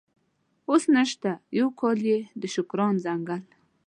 اوس نشته، یو کال یې د شوکران ځنګل.